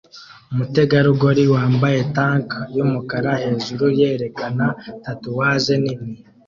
umutegarugori wambaye tank yumukara hejuru yerekana tatuwaje nini